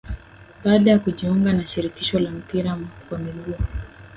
Baada ya kujiunga na shirikisho la mpira wa miguu